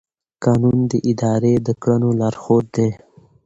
قانون د ادارې د کړنو لارښود دی.